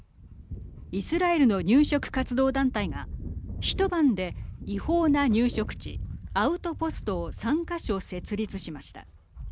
イスラエルの入植活動団体が一晩で違法な入植地アウトポストを３か所設立しました。